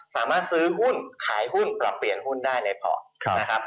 สามารถซื้อหุ้นขายหุ้่นปรับเปลี่ยนหุ้่นได้ในข้อก